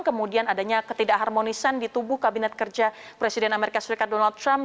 kemudian adanya ketidak harmonisan di tubuh kabinet kerja presiden amerika serikat donald trump